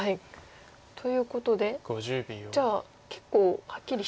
ということでじゃあ結構はっきり死んではいるんですね。